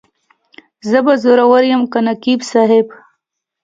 زه به زورور یم که نقیب صاحب.